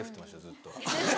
ずっと。